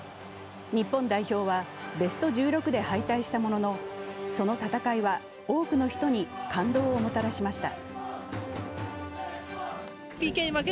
日本代表はベスト１６で敗退したもののその戦いは多くの人に感動をもたらしました。